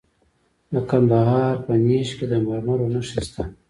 د کندهار په نیش کې د مرمرو نښې شته.